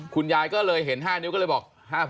คุณยายก็เลยเห็น๕นิ้วก็เลยบอก